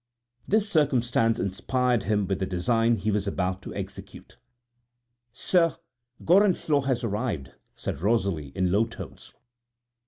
This circumstance inspired him with the design he was about to execute. "Sir, Gorenflot has arrived," said Rosalie in low tones.